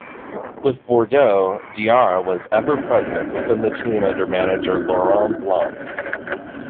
With Bordeaux, Diarra was ever-present within the team under manager Laurent Blanc.